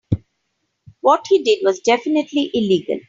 What he did was definitively illegal.